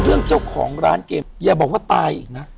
เรื่องเจ้าของร้านเกมอย่าบอกว่าตายอีกนะ